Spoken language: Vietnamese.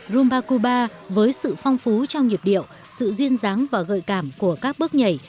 rumba cuba với sự phong phú trong nhiệt điệu sự duyên dáng và gợi cảm của các bước nhảy